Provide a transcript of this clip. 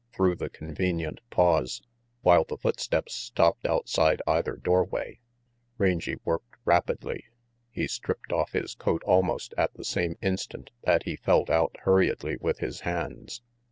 Through the convenient pause, while the footsteps stopped outside either doorway, Rangy worked rapidly. He stripped off his coat almost at the same instant that he felt out hurriedly with his hands.